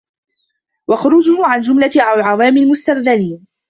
وَخُرُوجِهِ عَنْ جُمْلَةِ الْعَوَامّ الْمُسْتَرْذَلِينَ